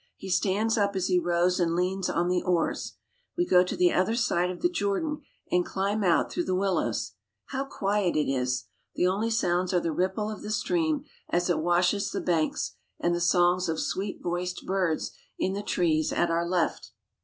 He stands up as he rows and leans on the oars. We go to the other side of the Jordan and climb out through the willows. How quiet it is! The only sounds are the ripple of the stream as it washes the 134 THE DEAD SEA AND THE JORDAN banks and the songs of sweet voiced birds in the trees at our left.